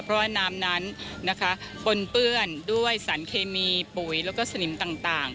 เพราะว่าน้ำนั้นนะคะปนเปื้อนด้วยสารเคมีปุ๋ยแล้วก็สนิมต่าง